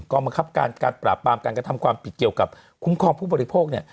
บังคับการการปราบปรามการกระทำความผิดเกี่ยวกับคุ้มครองผู้บริโภคเนี่ย